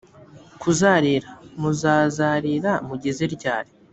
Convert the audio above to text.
kuzarira: muzazarira mugeze ryari?